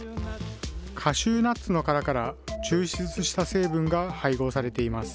カシューナッツの殻から抽出した成分が配合されています。